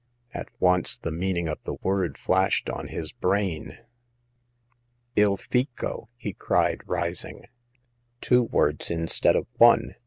At once the meaning of the word flashed on his brain. "*I1 fico!'" he cried, rising. Two words instead of one